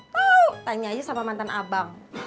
tau tanya aja sama mantan abang